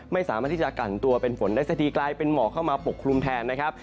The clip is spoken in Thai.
ไม่สามารถที่จะกันตัวเป็นฝนได้สักทีกลายเป็นหมอกเข้ามาปกครุมแทนนะครับ